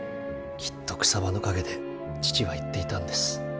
きっと草葉の陰で父は言っていたんです。